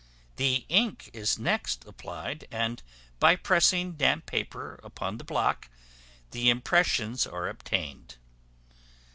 The ink is next applied, and by pressing damp paper upon the block, the impressions are obtained.